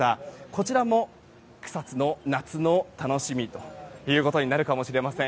こちらも草津の夏の楽しみということになるかもしれません。